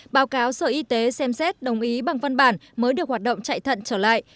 báo cáo sở y tế xem xét đồng ý bằng văn bản mới được hoạt động chạy thận trở lại